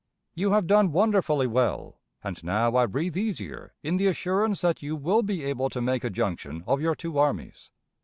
"You have done wonderfully well, and now I breathe easier in the assurance that you will be able to make a junction of your two armies.